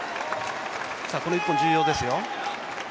この１本、重要ですよ。